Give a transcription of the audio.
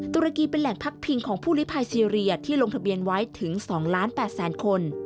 ตุรกีเป็นแหล่งพักพิงของผู้ลิภัยซีเรียที่ลงทะเบียนไว้ถึง๒ล้าน๘แสนคน